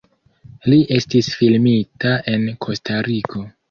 Li estis filmita en Kostariko.